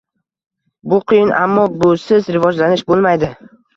Bu qiyin, ammo busiz rivojlanish bo‘lmaydi.